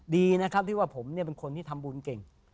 ดีนะครับเพราะว่าผมเนี่ยเป็นคนที่ทำบุญเก่ง